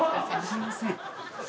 すいません。